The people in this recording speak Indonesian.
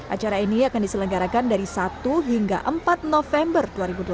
acara ini akan diselenggarakan dari satu hingga empat november dua ribu delapan belas